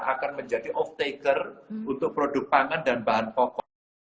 akan menjadi off taker untuk produk pangan dan bahan pokok